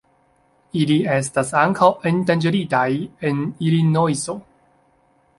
Ili estas ankaŭ endanĝeritaj en Ilinojso.